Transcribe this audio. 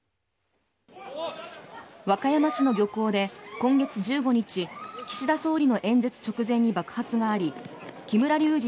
和歌山市の漁港で今月１５日岸田総理の演説直前に爆発があり木村隆二